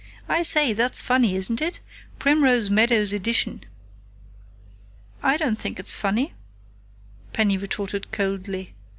"I say, that's funny, isn't it?... 'Primrose Meadows Addition'!" "I don't think it's funny," Penny retorted coldly.